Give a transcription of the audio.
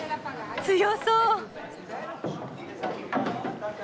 強そう。